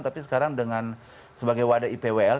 tapi sekarang dengan sebagai wadah ipwl